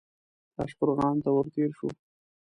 تاشقرغان ته ور تېر شو.